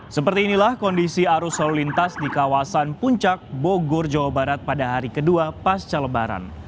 seperti inilah kondisi arus lalu lintas di kawasan puncak bogor jawa barat pada hari kedua pasca lebaran